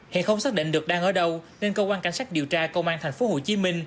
hiện không xác định được đang ở đâu nên cơ quan cảnh sát điều tra công an tp hcm